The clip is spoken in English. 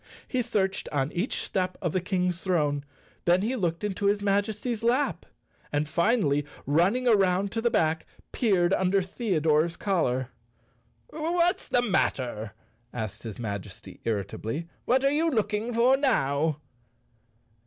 He searched on each step of the King's throne, then he looked into his Majesty's lap and, finally, running around to the back peered un¬ der Theodore's collar. "What's the matter?" asked his Majesty irritably. "What are you looking for now?"